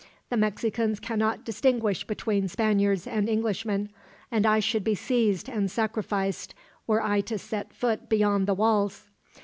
The Mexicans cannot distinguish between Spaniards and Englishmen, and I should be seized and sacrificed, were I to set foot beyond the walls.